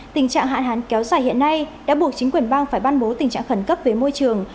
tình trạng hạn hán kéo dài hiện nay đã buộc chính quyền bang phải ban bố tình trạng khẩn cấp về môi trường